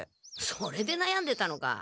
それでなやんでたのか。